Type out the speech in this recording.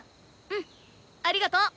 うんありがとう。